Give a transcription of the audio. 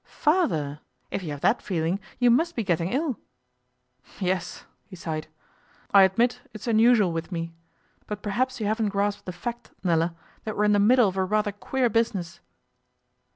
'Father, if you have that feeling you must be getting ill.' 'Yes,' he sighed, 'I admit it's unusual with me. But perhaps you haven't grasped the fact, Nella, that we're in the middle of a rather queer business.